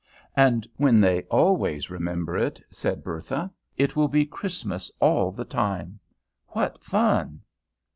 "And when they always remember it," said Bertha, "it will be Christmas all the time! What fun!"